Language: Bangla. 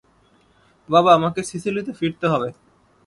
বাবা, আমাকে সিসিলিতে ফিরতে হবে।